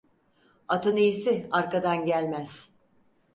Atın iyisi arkadan gelmez.